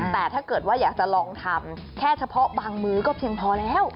แต่ถ้าเกิดว่าอยากจะลองทำแค่เฉพาะบางมื้อก็เพียงพอแล้ว